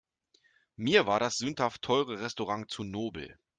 Mir war das sündhaft teure Restaurant zu nobel.